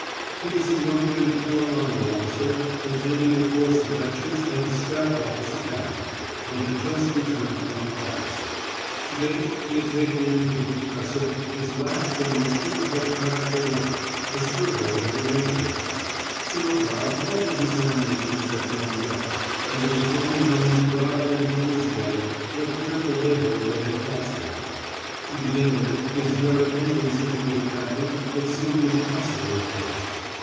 He was a young and poor army officer attending a course of lectures at the staff office academy, and had just returned from a class. To day he had taken in to the professor his last and most difficult practical work, a survey of the neighbourhood. So far all his examinations had gone well, and it was only known to God and to his wife what fearful labour they had cost him.... To begin with, his very entrance into the academy had seemed impossible at first.